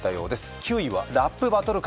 ９位はラップバトル感。